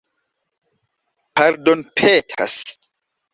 pardonpetas